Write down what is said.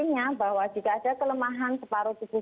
artinya bahwa jika ada kelemahan separuh tubuh sisi kanan